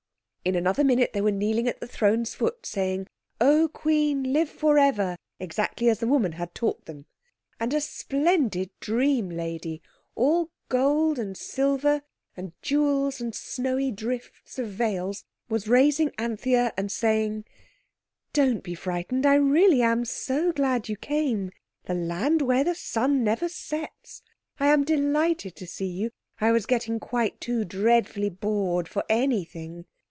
In another minute they were kneeling at the throne's foot, saying, "O Queen, live for ever!" exactly as the woman had taught them. And a splendid dream lady, all gold and silver and jewels and snowy drift of veils, was raising Anthea, and saying— "Don't be frightened, I really am so glad you came! The land where the sun never sets! I am delighted to see you! I was getting quite too dreadfully bored for anything!"